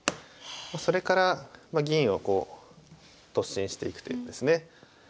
それから銀をこう突進していくというですね。